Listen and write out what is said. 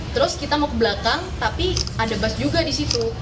terus kita mau ke belakang tapi ada bus juga di situ